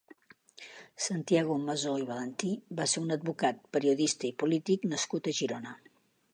Santiago Masó i Valentí va ser un advocat, periodista i polític nascut a Girona.